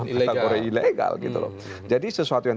kategori ilegal jadi sesuatu yang